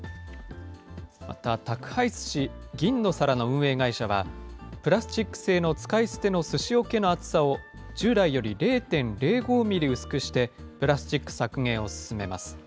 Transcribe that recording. また宅配すし、銀のさらの運営会社は、プラスチック製の使い捨てのすしおけの厚さを、従来より０．０５ミリ薄くして、プラスチック削減を進めます。